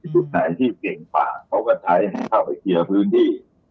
ชุดไหนที่เก่งกว่าเขาก็ใช้ให้เข้าไปเคลียร์พื้นที่